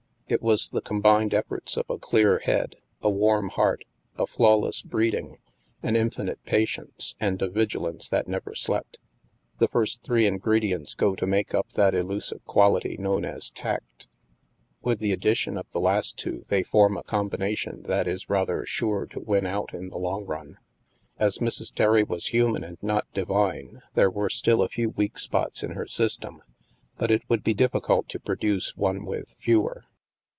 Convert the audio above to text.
It was the combined efforts of a clear head, a warm heart, a flawless breeding, an infinite patience, and a vigilance that never slept. The first three in gredients go to make up that elusive quality known as tact; with the addition of the last two, they form a combination that is rather sure to win out in the long run. As Mrs. Terry was human and not di vine, there were still a few weak spots in her sys tem; but it would be difficult to produce one with fewer.